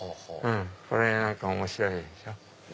これなんか面白いでしょ。